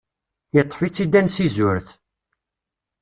Iṭṭef-itt-id ansi zuret.